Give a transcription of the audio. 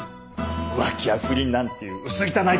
浮気や不倫なんていう薄汚い関係とは違う。